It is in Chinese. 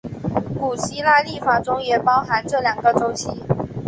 古希腊历法中也包含这两个周期。